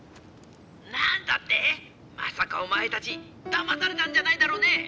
なんだって⁉まさかお前たちだまされたんじゃないだろうね！